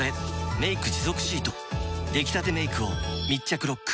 「メイク持続シート」出来たてメイクを密着ロック！